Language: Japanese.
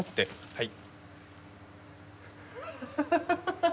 はい。